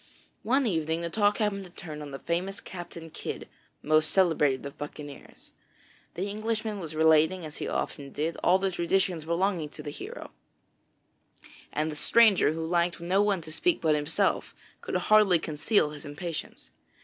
One evening the talk happened to turn on the famous Captain Kidd, most celebrated of buccaneers. The Englishman was relating, as he often did, all the traditions belonging to this hero, and the stranger who liked no one to speak but himself, could hardly conceal his impatience.